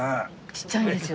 ちっちゃいんですよ。